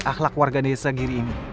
akhlak warga desa giri ini